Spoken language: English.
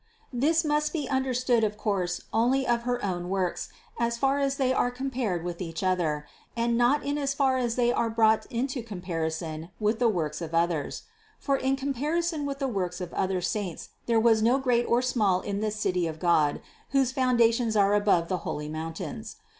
This must be understood of course only of her own works, as far as they are compared with each other, and not in as far as they are brought into comparison with the works of others. For in comparison with the works of other saints there was no great or small in this City of God, whose foundations are above the holy mountains.